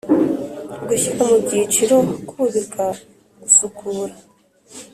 gushyira mu byiciro kubika gusukura